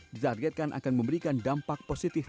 ditargetkan akan memberikan dampak positif